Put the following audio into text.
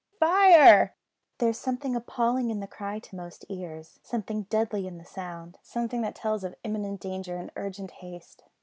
Fire! There is something appalling in the cry to most ears; something deadly in the sound; something that tells of imminent danger and urgent haste.